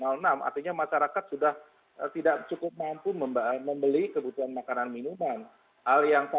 artinya masyarakat sudah tidak cukup mampu membeli kebutuhan makanan minuman